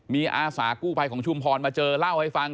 มีอาสากู้ภัยของชุมพรมาเจอเล่าให้ฟัง